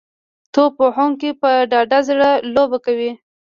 توپ وهونکي په ډاډه زړه لوبه کوي.